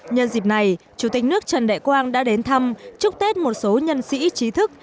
nhân dịp này chủ tịch nước trần đại quang đã đến thăm chúc tết một số nhân sĩ trí thức